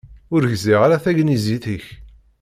Ur gziɣ ara tagnizit-ik.